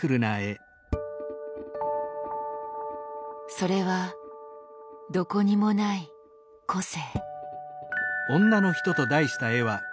それはどこにもない個性。